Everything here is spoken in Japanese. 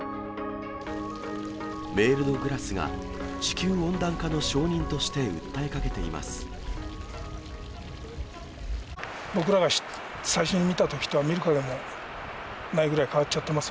メールドグラスが地球温暖化の証人として訴えかけています。